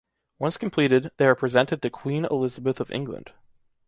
Once completed, they were presented to Queen Elizabeth of England.